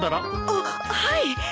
あっはい。